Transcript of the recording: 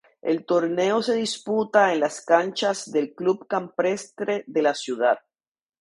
El torneo se disputa en las canchas del Club Campestre de la ciudad.